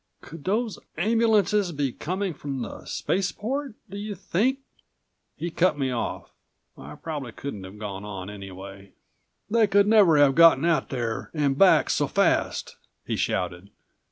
"Could those ambulances be coming from the spaceport? Do you think " He cut me off. I probably couldn't have gone on anyway. "They could never have gotten out there and back so fast!" he shouted.